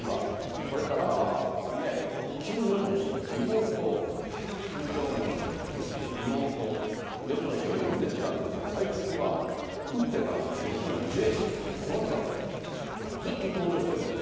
それから、ね、キム・ヨジョン氏、妹、キム・ジョンウン総書記の妹、ヨジョン氏はよく出てたんですが、最近は打って変わって娘のジュエ氏、この人がずっと登場してるんですね。